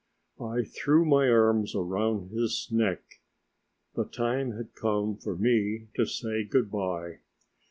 I threw my arms round his neck; the time had come for me to say good by.